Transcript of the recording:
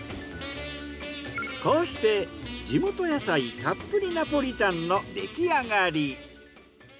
こうして地元野菜たっぷりナポリタンのできあがり。